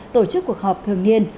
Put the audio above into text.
tổ chức cuộc họp thường niên